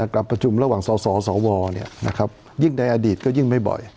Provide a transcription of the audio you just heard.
การประชุมระหว่างสสวยิ่งในอดีตก็ยิ่งไม่บ่อย